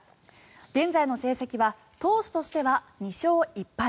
現在の成績は投手としては２勝１敗。